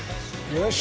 よし！